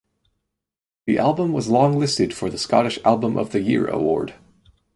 The album was longlisted for the Scottish Album of the Year Award.